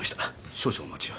少々お待ちを。